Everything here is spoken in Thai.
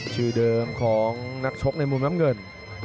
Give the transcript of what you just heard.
ชื่อเดิมของนักชกในมุมน้ำเงิน